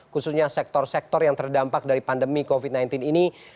khususnya sektor sektor yang terdampak dari pandemi covid sembilan belas ini